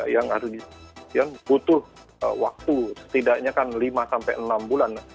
yang harus butuh waktu setidaknya kan lima sampai enam bulan